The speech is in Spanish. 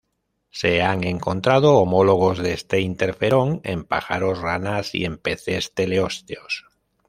Se han encontrado homólogos de este interferón en pájaros, ranas y en peces teleósteos.